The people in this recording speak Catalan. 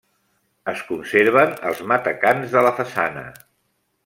Es conserven els matacans de la façana.